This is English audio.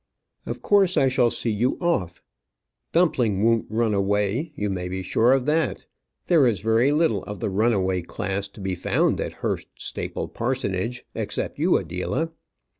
"Of course, I shall see you off. Dumpling won't run away; you may be sure of that. There is very little of the runaway class to be found at Hurst Staple Parsonage; except you, Adela."